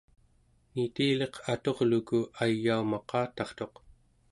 nitiliq aturluku ayaumaqatartuq